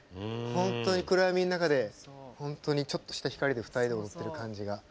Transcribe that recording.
本当に暗闇の中でちょっとした光の中で２人が踊ってる感じが。